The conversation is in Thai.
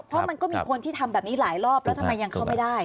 เพราะมันก็มีคนที่ทำแบบนี้หลายรอบแล้วทำไมยังเข้าไม่ได้